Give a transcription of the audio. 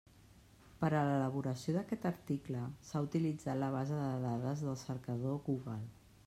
Per a l'elaboració d'aquest article s'ha utilitzat la base de dades del cercador Google.